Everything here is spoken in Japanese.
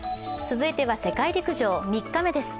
続いては、世界陸上３日目です。